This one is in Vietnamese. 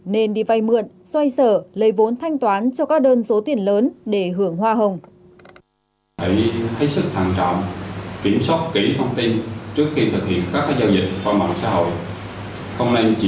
nên đi vay mượn xoay sở lấy vốn thanh toán cho các đơn